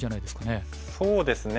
そうですね。